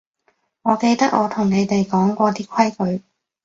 我記得我同你哋講過啲規矩